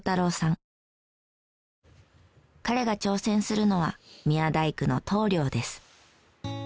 彼が挑戦するのは宮大工の棟梁です。